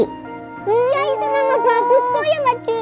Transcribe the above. iya itu nama bagus kok ya nggak ci